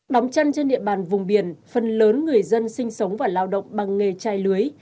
đóng chân trên địa bàn vùng biển phần lớn người dân sinh sống và lao động bằng nghề chai lưới